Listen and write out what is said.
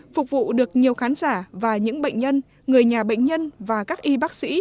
phục vụ được nhiều khán giả và những bệnh nhân người nhà bệnh nhân và các y bác sĩ